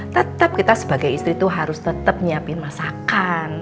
tetep kita sebagai istri tuh harus tetep nyiapin masakan